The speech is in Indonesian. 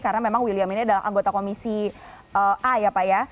karena memang william ini adalah anggota komisi a ya pak ya